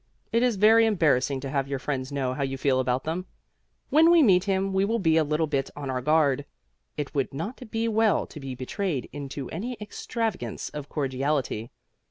It is very embarrassing to have your friends know how you feel about them. When we meet him we will be a little bit on our guard. It would not be well to be betrayed into any extravagance of cordiality.